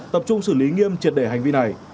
tập trung xử lý nghiêm triệt để hành vi này